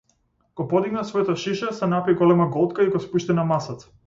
Го подигна своето шише, се напи голема голтка и го спушти на масата.